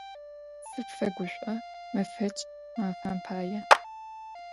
Сыпфэгушӏо мэфэкӏ мафэм пае.